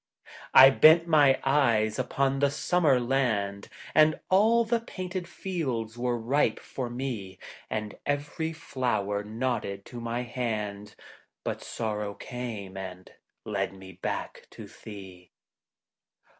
I I bent my eyes upon the summer land, And all the painted fields were ripe for me, And every flower nodded to my hand ; But Sorrow came and led me back to thee.